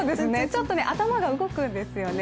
ちょっと頭が動くんですよね。